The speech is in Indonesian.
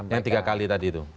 yang tiga kali tadi itu